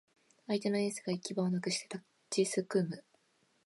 相手のエースが行き場をなくして立ちすくむ